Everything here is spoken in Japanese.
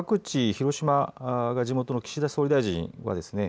広島が地元の岸田総理大臣はですね